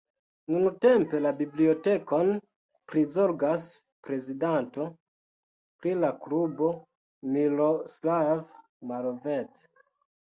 Nuntempe la bibliotekon prizorgas prezidanto de la klubo Miroslav Malovec.